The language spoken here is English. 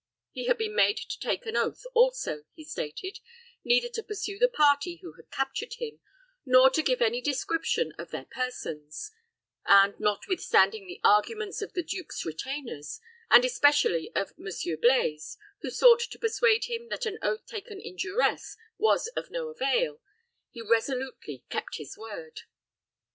He had been made to take an oath also, he stated, neither to pursue the party who had captured him, nor to give any description of their persons; and, notwithstanding the arguments of the duke's retainers, and especially of Monsieur Blaize, who sought to persuade him that an oath taken in duress was of no avail, he resolutely kept his word.